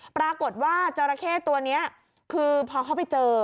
ปรากฎว่าเจ้าน้าโกแคตัวนี้พอเขาไปเจอ